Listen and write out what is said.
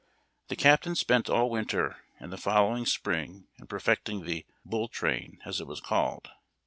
The captain spent all winter and the following spring in perfecting tlie " Bull Train," as it was called.